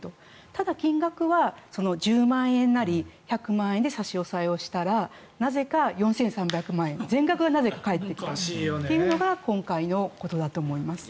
ただ、金額は１０万円なり１００万円で差し押さえをしたらなぜか４３００万円全額がなぜか返ってきたというのが今回のことだと思います。